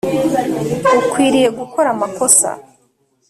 ukwiriye gukora amakosa